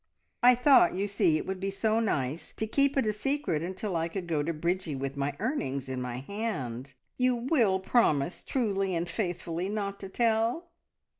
I thought, you see, it would be so nice to keep it a secret until I could go to Bridgie with my earnings in my hand. You will promise truly and faithfully not to tell?"